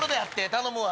頼むわ。